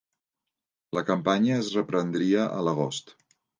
La campanya es reprendria a l'agost.